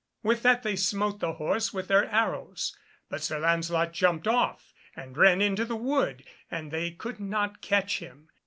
With that they smote the horse with their arrows, but Sir Lancelot jumped off, and ran into the wood, and they could not catch him.